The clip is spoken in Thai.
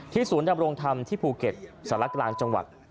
ศูนย์ดำรงธรรมที่ภูเก็ตสารกลางจังหวัด